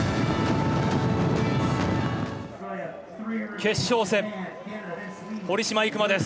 決勝戦堀島行真です。